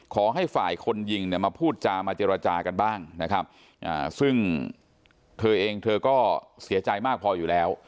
ขอให้ฝ่ายคนยิงเนี่ยมาพูดจามาเจรจากันบ้างนะครับซึ่งเธอเองเธอก็เสียใจมากพออยู่แล้ว